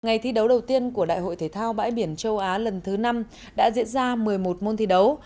ngày thi đấu đầu tiên của đại hội thể thao bãi biển châu á lần thứ năm đã diễn ra một mươi một môn thi đấu